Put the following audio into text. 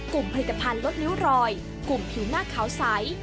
ผลิตภัณฑ์ลดริ้วรอยกลุ่มผิวหน้าขาวใส